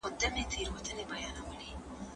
ګلونه په باغچه کي وکرل سول.